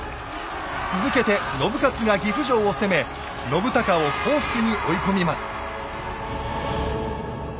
続けて信雄が岐阜城を攻め信孝を降伏に追い込みます。